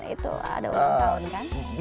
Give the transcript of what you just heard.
itu ada ulang tahun kan